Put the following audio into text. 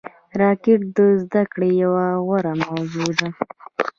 راکټ د زده کړې یوه غوره موضوع ده